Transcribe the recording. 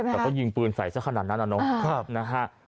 แต่ก็ยิงปืนใส่สักขนาดนั้นอะเนาะ